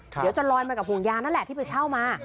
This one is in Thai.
เดี๋ยวจะลอยมากับห่วงยางนั่นแหละที่ไปเช่ามา